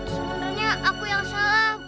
sebenarnya aku yang salah